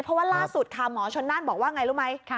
เพราะว่าล่าสุดค่ะหมอชนน่านบอกว่าไงรู้ไหม